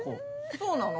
そうなの？